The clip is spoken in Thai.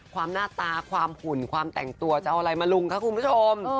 หน้าตาความหุ่นความแต่งตัวจะเอาอะไรมาลุงคะคุณผู้ชม